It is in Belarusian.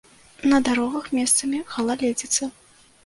На дарогах месцамі галаледзіца.